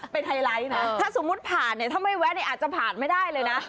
ไปไทไลท์นะถ้าสมมุติผ่านถ้าไม่แวะอาจจะผ่านไม่ได้เลยนะ